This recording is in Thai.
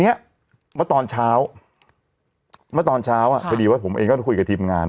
มีโอกาสที่กลับมาที่ฟังดีว่าผมเองก็พูดกับทีมงาน๕๐๑